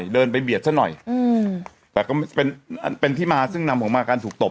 เดินไปเบียดซะหน่อยแต่ก็เป็นที่มาซึ่งนำออกมาการถูกตบ